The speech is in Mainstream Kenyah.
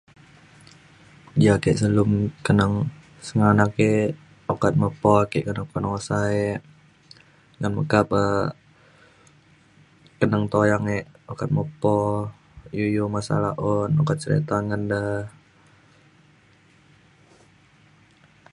ja ake selum keneng sengganak ke ukat mepo ke penusa e neng meka pe keneng tuyang e okak mepo iu iu masalah un ukat serita ngan de